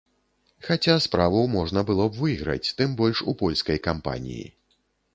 Хаця справу можна было б выйграць, тым больш у польскай кампаніі.